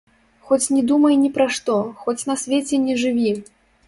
Хоць не думай ні пра што, хоць на свеце не жыві!